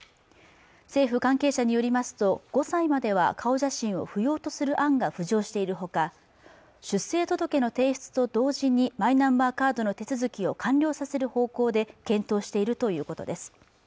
政府関係者によりますと５歳までは顔写真を不要とする案が浮上しているほか出生届の提出と同時にマイナンバーカードの手続きを完了させる方向で検討しているということです